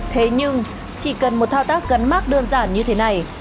thế nhưng chỉ cần một thao tác gắn mát đơn giản như thế này